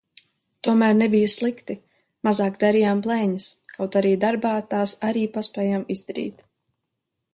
Tomēr nebija slikti, mazāk darījām blēņas, kaut arī darbā tās arī paspējām izdarīt.